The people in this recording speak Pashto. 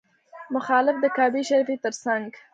مخامخ د کعبې شریفې تر څنګ.